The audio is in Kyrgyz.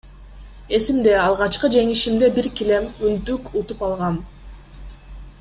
Эсимде, алгачкы жеңишимде бир килем, үндүк утуп алгам.